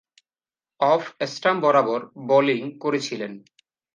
Off stump বরাবর bowling করেছিলেন।